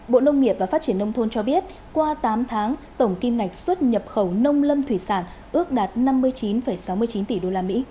bộ nông nghiệp và phát triển nông thôn cho biết qua tám tháng tổng kim ngạch xuất nhập khẩu nông lâm thủy sản ước đạt năm mươi chín sáu mươi chín tỷ usd